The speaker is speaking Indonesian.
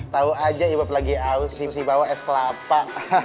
tau aja ibob lagi ausi mesti bawa es kelapa